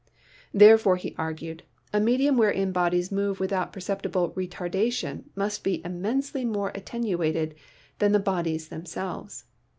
Therefore, he argued, a medium wherein bodies move without perceptible retardation must be immensely more attenuated than the bodies themselves.